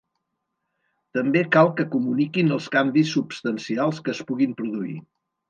També cal que comuniquin els canvis substancials que es puguin produir.